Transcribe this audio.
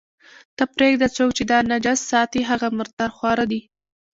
ته پرېږده، څوک چې دا نجس ساتي، هغه مرداره خواره دي.